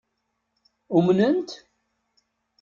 Umnent?